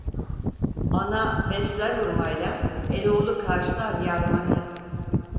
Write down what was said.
Ana besler hurmayla, eloğlu karşılar yarmayla.